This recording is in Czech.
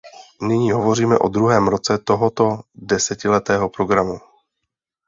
Nyní hovoříme o druhém roce tohoto desetiletého programu.